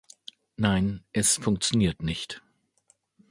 Nein, es funktioniert nicht.